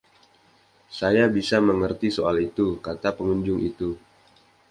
“Saya bisa mengerti soal itu,” kata pengunjung itu.